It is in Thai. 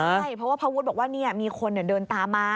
ใช่เพราะว่าพระวุฒิบอกว่ามีคนเดินตามมา